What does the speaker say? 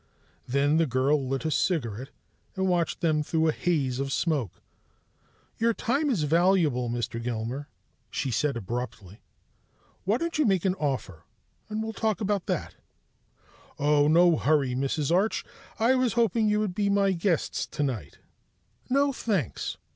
Then the girl lit a cigaret and watched them through a haze of smoke. "Your time is valuable, Mr. Gilmer," she said abruptly. "Why don't you make an offer and we'll talk about that?" "Oh, no hurry, Mrs. Arch. I was hoping you would be my guests tonight " "No, thanks.